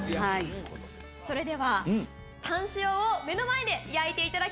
それではタン塩を目の前で焼いていただきましょう。